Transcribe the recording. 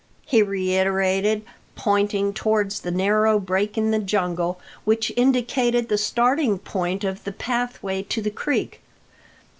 he reiterated, pointing towards the narrow break in the jungle which indicated the starting point of the pathway to the creek.